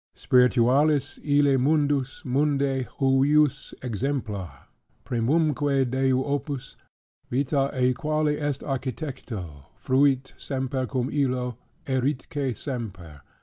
"Spiritualis ille mundus, mundi huius exemplar, primumque Dei opus, vita aequali est architecto, fuit semper cum illo, eritque semper.